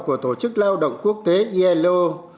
của tổ chức lao động quốc tế ilo